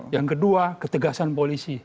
yang kedua ketegasan polisi